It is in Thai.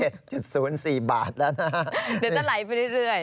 เดี๋ยวจะไหลไปเรื่อย